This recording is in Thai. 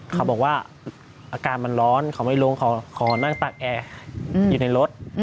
เขาบอกว่าอาการมันร้อนเขาไม่ลงเขาขอนั่งตักแอร์อยู่ในรถ